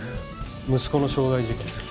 息子の傷害事件